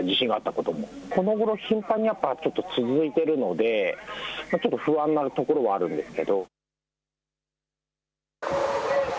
このごろ頻繁に続いているのでちょっと不安なところはあるんですけれども。